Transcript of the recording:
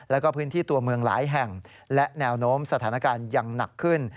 แล้วก็พื้นที่ตัวเมืองหลายแห่งและแนวโน้มสถานการณ์ยังหนักขึ้น